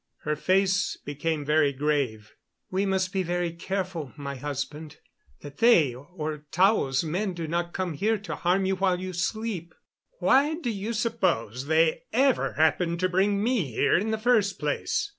Her face became very grave. "We must be very careful, my husband, that they, or Tao's men do not come here to harm you while you sleep." "Why do you suppose they ever happened to bring me here in the first place?"